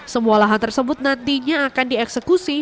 semua lahan tersebut nantinya akan dieksekusi